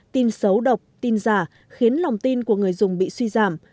tin xấu độc tin giả khiến lòng tin của người dùng bị suy giảm